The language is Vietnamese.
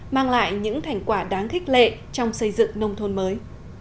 mang lại những thành quả đáng khích lệ trong xây dựng nông thôn mới